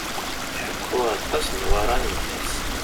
Tḥekku aṭas Newwara i yemma-s.